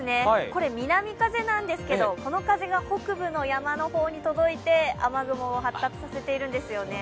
これ南風なんですけどこの風が北部の山のほうに届いて雨雲を発達させているんですよね。